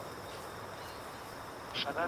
د سياسي واک مشروعيت د افرادو له لوري ټاکل کېږي.